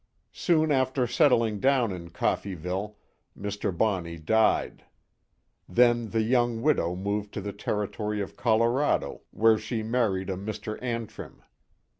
Soon after settling down in Coffeeville, Mr. Bonney died. Then the young widow moved to the Territory of Colorado, where she married a Mr. Antrim.